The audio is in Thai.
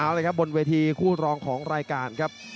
แล้วครับบนวีทีคู่รองของรายการครับ